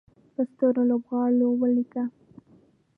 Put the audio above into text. په سترو لوبغالو ولیکه